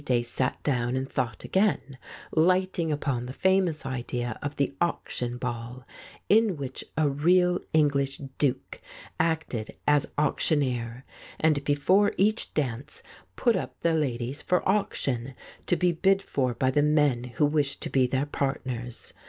Dace sat down and thought again, lighting upon the famous idea of the auction ball, in which a real English Duke acted as auc tioneer, and before each dance put up the ladies for auction, to be bid for by the men who wished to be their partners.